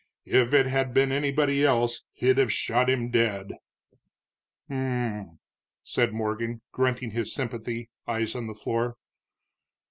If it had been anybody else he'd have shot him dead." "Hm m m m!" said Morgan, grunting his sympathy, eyes on the floor.